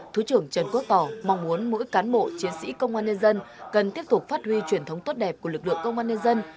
thứ trưởng trần quốc tỏ mong muốn mỗi cán bộ chiến sĩ công an nhân dân cần tiếp tục phát huy truyền thống tốt đẹp của lực lượng công an nhân dân